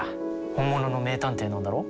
本物の名探偵なんだろ？